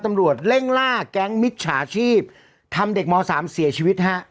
ตำรวจเร่งล่าแก๊งมิจฉาชีพทำเด็กม๓เสียชีวิตฮะ